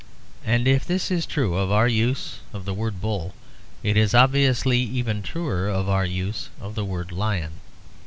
And if this is true of our use of the word "bull," it is obviously even truer of our use of the word "lion."